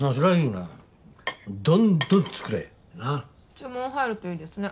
注文入るといいですね。